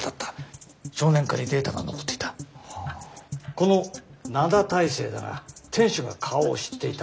この灘大聖だが店主が顔を知っていた。